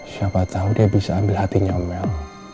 siapa tau dia bisa ambil hatinya mel